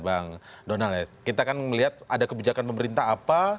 bang donald kita kan melihat ada kebijakan pemerintah apa